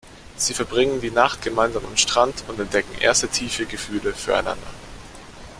Sie verbringen die Nacht gemeinsam am Strand und entdecken erste tiefe Gefühle füreinander.